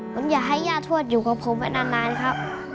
ผมอยากให้ย่าทวดอยู่กับผมไว้นานครับ